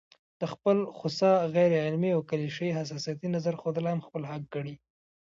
د خپل خوسا، غيرعلمي او کليشه يي حساسيتي نظر ښودل هم خپل حق ګڼي